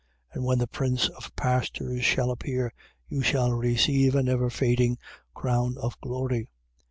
5:4. And when the prince of pastors shall appear, you shall receive a never fading crown of glory.